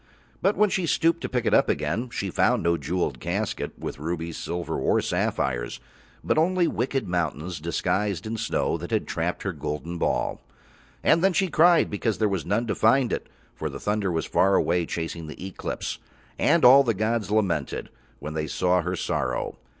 But when she stooped to pick it up again she found no jewelled casket with rubies, silver or sapphires, but only wicked mountains disguised in snow that had trapped her golden ball. And then she cried because there was none to find it, for the thunder was far away chasing the Eclipse, and all the gods lamented when They saw her sorrow.